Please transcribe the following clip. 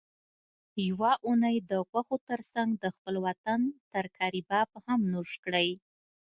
یوه اونۍ د غوښو ترڅنګ د خپل وطن ترکاري باب هم نوش کړئ